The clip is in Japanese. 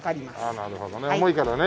ああなるほどね重いからね。